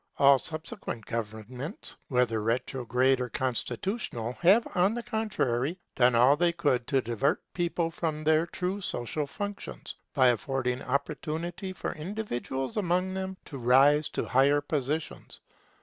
All subsequent governments, whether retrograde or constitutional, have, on the contrary, done all they could to divert the people from their true social function, by affording opportunity for individuals among them to rise to higher positions.